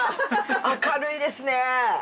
明るいですね。